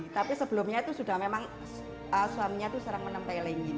tapi sebelumnya itu sudah memang suaminya itu serang menempelengin